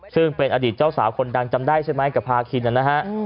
ซึ่งเป็นอดีตเจ้าสาวคนดังจำได้ใช่ไหมกับพาคินนะฮะ